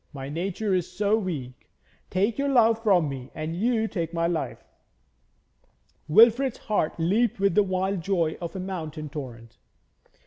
My nature is so weak. Take your love from me and you take my life.' Wilfrid's heart leaped with the wild joy of a mountain torrent.